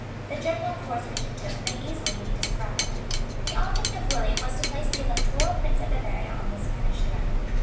The general course which it took may easily be described. The object of William was to place the Electoral Prince of Bavaria on the Spanish throne.